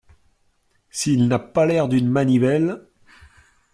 S’il n’a pas l’air d’une manivelle !